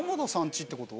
家ってこと？